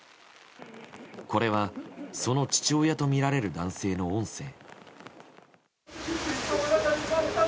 これは、その父親とみられる男性の音声。